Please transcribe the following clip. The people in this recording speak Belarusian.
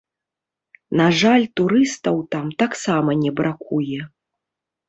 На жаль, турыстаў там таксама не бракуе.